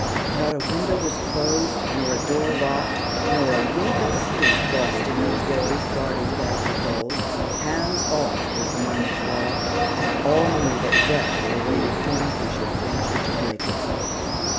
Not a window was closed, nor a door locked, nor a wink of sleep lost in those days, guarding bags of gold. "Hands off" was the miners' law, and all knew that death awaited him who should venture to break it.